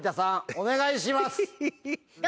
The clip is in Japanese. お願いします。